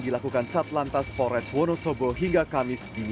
dilakukan saat lantas pores wonosobo hingga kamis ini